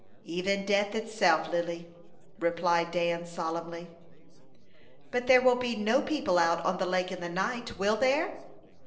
"Even death itself, Lily," replied Dan, solemnly. "But there will be no people out on the lake in the night will there?"